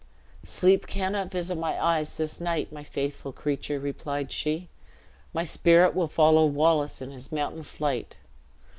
"Sleep cannot visit my eyes this night, my faithful creature," replied she; "my spirit will follow Wallace in his mountain flight.